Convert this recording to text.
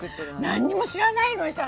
何にも知らないのにさ